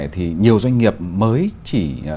thì nhiều doanh nghiệp mới chỉ